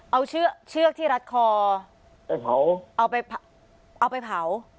เอาเชือกที่รัดคอเอาไปเผา